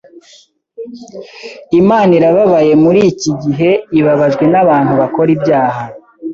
Imana irababayemuri iki gihe ibabajwe n’abantu bakora ibyaha